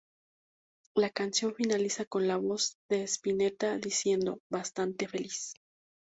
La canción finaliza con la voz de Spinetta diciendo "Bastante feliz".